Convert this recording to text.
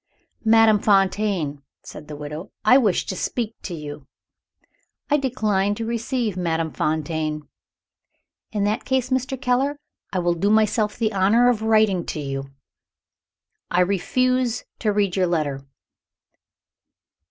"Madame Fontaine," said the widow. "I wish to speak to you." "I decline to receive Madame Fontaine." "In that case, Mr. Keller, I will do myself the honor of writing to you." "I refuse to read your letter."